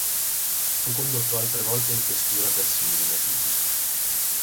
Fu condotto altre volte in questura per simili motivi.